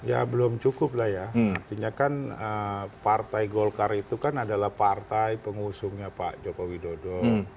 ya belum cukup lah ya artinya kan partai golkar itu kan adalah partai pengusungnya pak joko widodo